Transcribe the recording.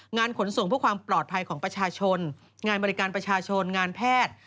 ขนส่งเพื่อความปลอดภัยของประชาชนงานบริการประชาชนงานแพทย์